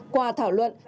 qua thảo luận các đại biểu